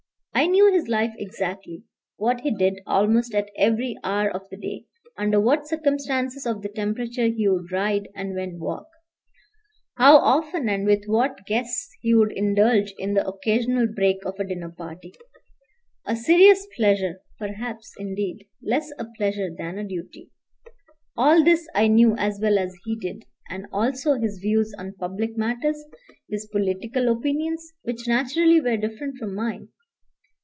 I knew his life exactly, what he did almost at every hour of the day; under what circumstances of the temperature he would ride and when walk; how often and with what guests he would indulge in the occasional break of a dinner party, a serious pleasure, perhaps, indeed, less a pleasure than a duty. All this I knew as well as he did, and also his views on public matters, his political opinions, which naturally were different from mine.